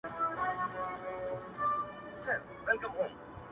ډيره مننه مهربان شاعره”